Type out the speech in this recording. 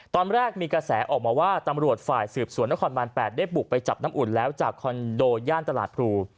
ตอนแรกมีกระแสออกมาว่าตำรวจฝ่ายสืบสวนนครบาน๘ได้บุกไปจับน้ำอุ่นแล้วจากคอนโดย่านตลาดพลู